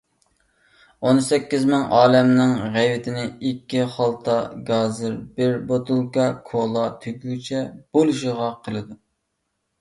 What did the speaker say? ئون سەككىز مىڭ ئالەمنىڭ غەيۋىتىنى ئىككى خالتا گازىر، بىر بوتۇلكا كولا تۈگىگىچە بولىشىغا قىلىدۇ.